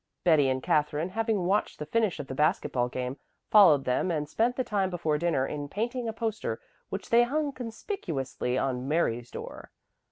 Betty and Katherine, having watched the finish of the basket ball game, followed them, and spent the time before dinner in painting a poster which they hung conspicuously on Mary's door.